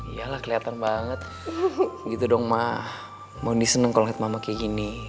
iyalah kelihatan banget gitu dong mah mau diseneng kalau mama kayak gini